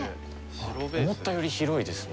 思ったより広いですね。